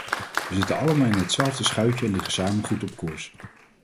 We zitten allemaal in hetzelfde schuitje en liggen samen goed op koers.